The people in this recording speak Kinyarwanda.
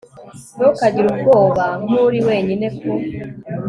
ntukagire ubwoba nk'uri wenyine ku